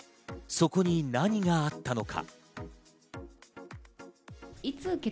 そこに何があったのか。